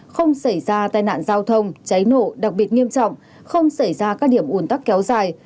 không xảy ra tai nạn giao thông cháy nổ đặc biệt nghiêm trọng không xảy ra các điểm ủn tắc kéo dài